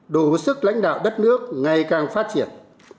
đủ sức lãnh đạo đất nước ngày càng phát triển